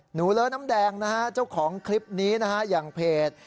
เลอะน้ำแดงนะฮะเจ้าของคลิปนี้นะฮะอย่างเพจ